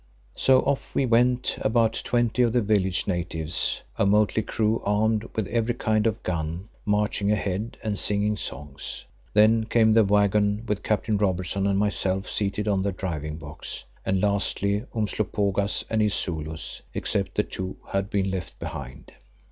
So off we went, about twenty of the village natives, a motley crew armed with every kind of gun, marching ahead and singing songs. Then came the waggon with Captain Robertson and myself seated on the driving box, and lastly Umslopogaas and his Zulus, except the two who had been left behind.